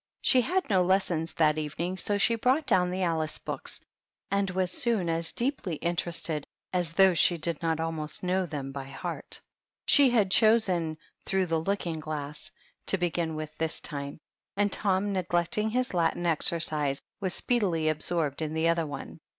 She had no leaaons that evening, so she brought down the Alice books, and was soon as deeply in terested as though she did not almost know them 20 PEGGY THE PIG. by heart. She had chosen "Through the Looking glass" to begin with this time ; and Tom, neglect ing his Latin exercise, was speedily absorbed in •the other one.